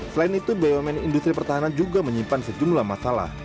selain itu bumn industri pertahanan juga menyimpan sejumlah masalah